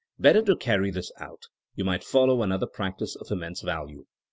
Better to carry this out, you might follow an other practice of immense value.